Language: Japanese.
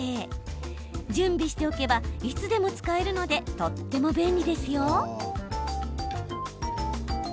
準備しておけば、いつでも使えるのでとっても便利ですよ。